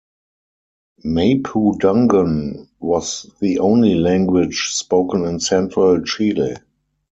Mapudungun was the only language spoken in central Chile.